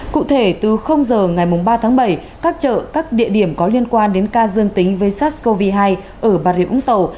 cụ thể từ giờ ngày ba tháng bảy các chợ các địa điểm có liên quan đến ca dương tính với sars cov hai ở bà rịa vũng tàu